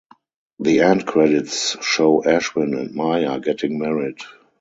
The end credits show Ashwin and Maya getting married.